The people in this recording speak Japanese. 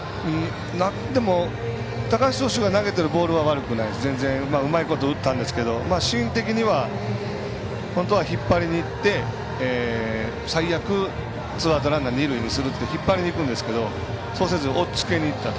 でも、高橋投手が投げているボールは悪くないです、全然うまいこと打ったんですけどシーン的には本当は引っ張りにいって最悪、ツーアウトランナー、二塁にするって引っ張りにいくんですけどそうせず、おっつけにいったと。